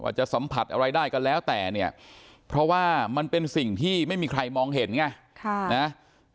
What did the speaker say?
จะสัมผัสอะไรได้ก็แล้วแต่เนี่ยเพราะว่ามันเป็นสิ่งที่ไม่มีใครมองเห็นไง